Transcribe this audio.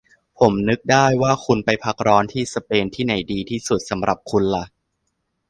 ผมนึกได้ว่าคุณไปพักร้อนที่สเปน ที่ไหนดีที่สุดสำหรับคุณหละ